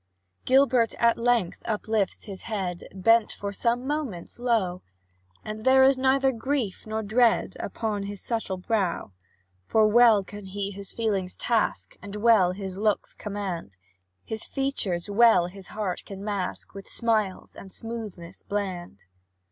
Gilbert, at length, uplifts his head, Bent for some moments low, And there is neither grief nor dread Upon his subtle brow. For well can he his feelings task, And well his looks command; His features well his heart can mask, With smiles and smoothness bland.